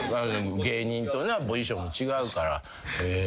芸人となポジション違うから。